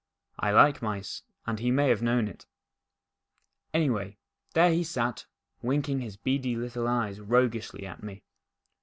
I like mice, and he may have known it. Anyway, there he sat, winking his beady little eyes roguishly at me.